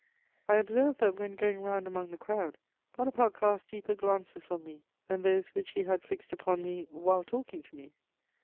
I observed that, when going round among the crowd, Bonaparte cast deeper glances on me than those which he had fixed upon me while talking to me.